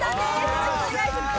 よろしくお願いします。